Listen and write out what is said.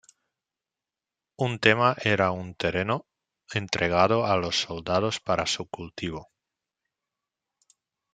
Un thema era un terreno entregado a los soldados para su cultivo.